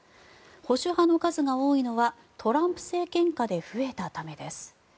保守派の数が多いのはトランプ政権下で増えたためです。